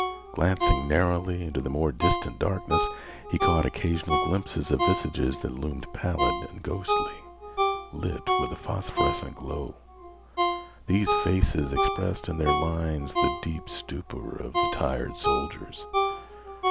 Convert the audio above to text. Glancing narrowly into the more distant darkness, he caught occasional glimpses of visages that loomed pallid and ghostly, lit with a phosphorescent glow. These faces expressed in their lines the deep stupor of the tired soldiers.